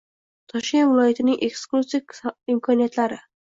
Toshkent viloyatining ekoturistik imkoniyatlari